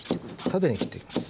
縦に切っていきます。